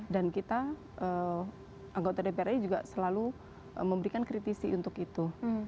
dan kita anggota dpr ri juga selalu memberikan kritisi untuk itu